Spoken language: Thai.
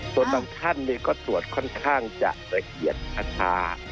ส่วนบางท่านเนี่ยก็ตรวจค่อนข้างจะระเกียรติภาษา